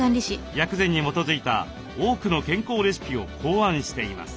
薬膳に基づいた多くの健康レシピを考案しています。